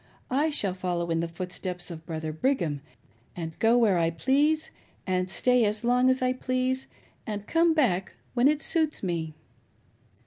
I shall follow in the footsteps of Brother Brigham, and go where I please, and stay as long as I please, and come back when it suits me."